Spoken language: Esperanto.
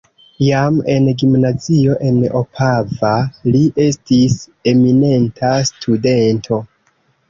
Jam en gimnazio en Opava li estis eminenta studento.